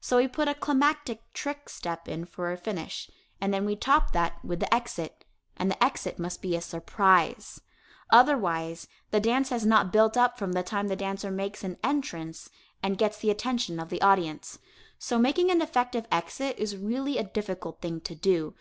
So we put a climactic "trick" step in for a finish, and then we top that with the exit, and the exit must be a surprise. Otherwise, the dance has not built up from the time the dancer makes an entrance and gets the attention of the audience. So making an effective exit is really a difficult thing to do.